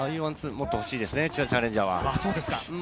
もっと欲しいですね、チャレンジャーは。